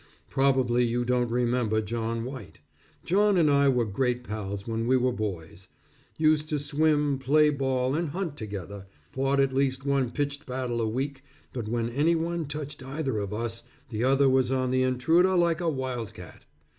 Probably you don't remember John White. John and I were great pals when we were boys. Used to swim, play ball, and hunt together, fought at least one pitched battle a week, but when any one touched either of us, the other was on the intruder like a wildcat.